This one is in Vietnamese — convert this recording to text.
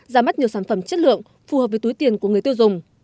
ra mắt nhiều sản phẩm chất lượng phù hợp với túi tiền của người tiêu dùng